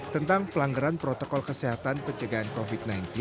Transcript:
tentang pelanggaran protokol kesehatan pencegahan covid sembilan belas